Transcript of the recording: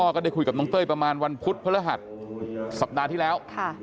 ก็ได้คุยกับน้องเต้ยประมาณวันพุธพฤหัสสัปดาห์ที่แล้ว